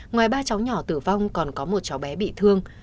ngoài ba cháu nhỏ tử vong còn có một cháu bé bị thương